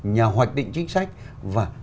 nhà hoạch định chính sách và